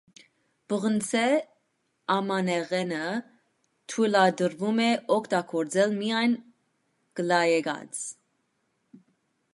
Պղնձե ամանեղենը թույլատրվում է օգտագործել միայն կլայեկած։